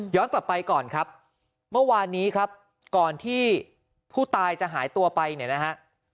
กลับไปก่อนครับเมื่อวานนี้ครับก่อนที่ผู้ตายจะหายตัวไปเนี่ยนะฮะ